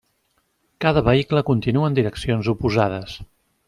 Cada vehicle continua en direccions oposades.